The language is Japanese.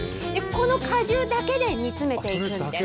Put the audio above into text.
この果汁だけで煮詰めていくんです。